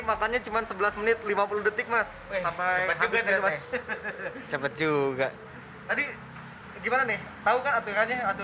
makannya cuman sebelas menit lima puluh detik mas sampai cepet juga tadi gimana nih tahu kan aturannya